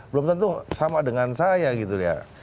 belum tentu sama dengan saya gitu ya